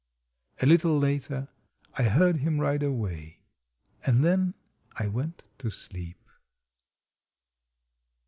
A little later I heard him ride away, and then I went to sleep.